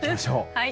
はい。